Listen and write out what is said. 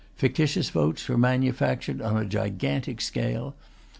Fictitious votes were manufactured on a gigantic scale.